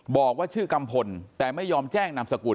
บอกว่าชื่อกัมพลแต่ไม่ยอมแจ้งนามสกุล